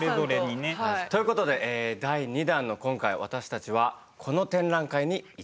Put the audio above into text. はい皆さんと。ということで第２弾の今回私たちはこの展覧会に行ってきました。